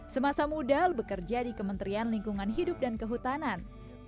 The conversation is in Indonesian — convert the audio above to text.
semasa muda bekerja di kementerian lingkungan hidup dan kehutanan